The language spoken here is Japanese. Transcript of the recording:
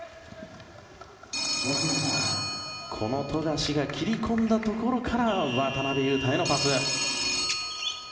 富樫が切り込んだところから渡邊雄太へのパス。